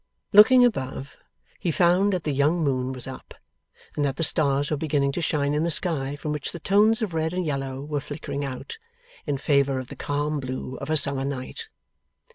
Looking above, he found that the young moon was up, and that the stars were beginning to shine in the sky from which the tones of red and yellow were flickering out, in favour of the calm blue of a summer night.